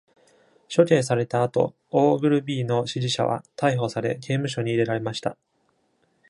処刑された後、オーグルビーの支持者は逮捕され、刑務所に入れられました。